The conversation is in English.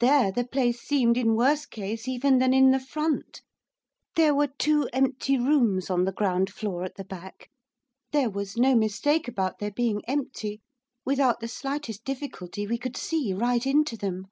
There the place seemed in worse case even than in the front. There were two empty rooms on the ground floor at the back, there was no mistake about their being empty, without the slightest difficulty we could see right into them.